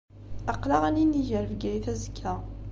Aql-aɣ ad ninig ar Bgayet azekka.